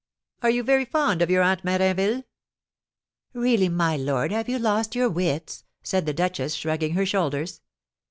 Are you very fond of your Aunt Mérinville?" "Really, my lord, have you lost your wits?" said the duchess, shrugging her shoulders.